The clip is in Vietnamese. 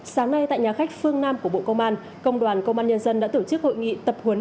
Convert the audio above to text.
sáng nay tại nhà khách phương nam của bộ công an công đoàn công an nhân dân đã tổ chức hội nghị tập huấn